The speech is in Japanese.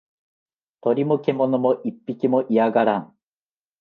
鳥も獣も一匹も居やがらん